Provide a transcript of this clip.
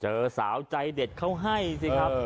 เจอสาวใจเด็ดเขาให้สิครับ